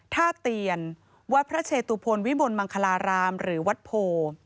เตียนวัดพระเชตุพลวิมลมังคลารามหรือวัดโพ